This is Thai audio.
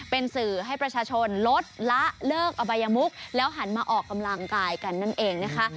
เป็นสื่อให้ประชาชนลดละเลิกอบัยมุกแล้วหันมาออกกำลังกายกันนั่นเองนะคะ